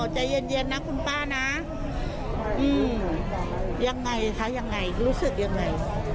ใจเย็นนะคุณป้านะยังไงคะยังไงรู้สึกยังไง